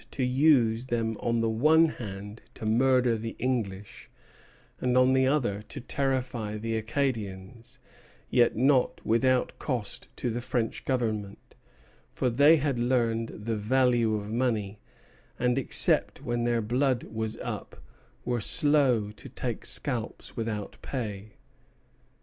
Thus he contrived to use them on the one hand to murder the English, and on the other to terrify the Acadians; yet not without cost to the French Government; for they had learned the value of money, and, except when their blood was up, were slow to take scalps without pay.